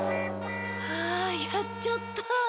あやっちゃった。